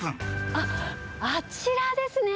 あっ、あちらですね。